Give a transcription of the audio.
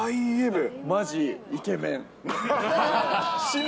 マジイケメン。